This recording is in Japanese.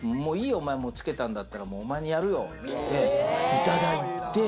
お前つけたんだったら、お前にやるよっつって、いただいて。